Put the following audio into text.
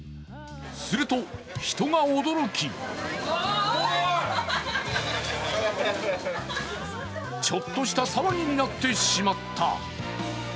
すると、人が驚きちょっとした騒ぎになってしまった。